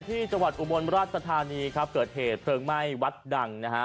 จังหวัดอุบลราชธานีครับเกิดเหตุเพลิงไหม้วัดดังนะฮะ